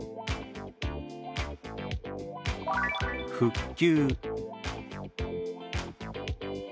「復旧」。